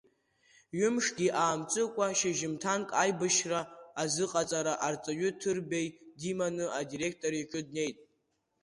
Ҩымшгьы аамҵыцкәа, шьыжьымҭанк аибашьра азыҟаҵара арҵаҩы Ҭырбеи диманы адиректор иҿы днеит.